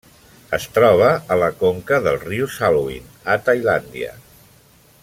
Es troba a la conca del riu Salween a Tailàndia.